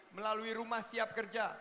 melalui rumah siap kerja